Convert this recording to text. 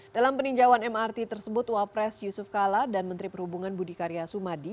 dalam peninjauan mrt tersebut wapres yusuf kala dan menteri perhubungan budi karya sumadi